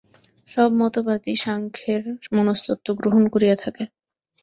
সব মতবাদই সাংখ্যের মনস্তত্ত্ব গ্রহণ করিয়া থাকে।